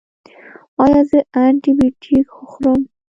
ایا زه انټي بیوټیک وخورم؟